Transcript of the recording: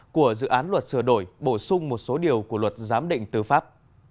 của dự án luật sửa đổi bổ sung một số điều của luật giám định tư pháp